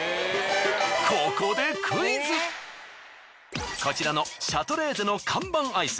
ここでこちらのシャトレーゼの看板アイス